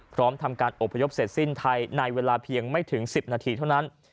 พร้อมทำการอบพยพเสร็จสิ้นไทยในเวลาเพียงไม่ถึง๑๐นาทีเท่านั้น